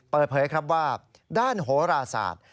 เปิดเผยครับว่าด้านโหราศาสตร์